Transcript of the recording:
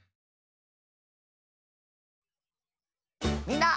みんな！